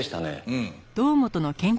うん。